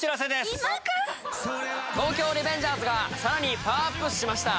今か⁉『東京リベンジャーズ』がさらにパワーアップしました。